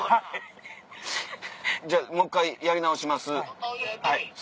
じゃあもう１回やり直します。